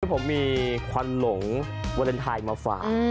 ผมมีควันหลงเวอเรนไทน์มาฝาก